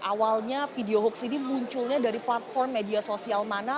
awalnya video hoax ini munculnya dari platform media sosial mana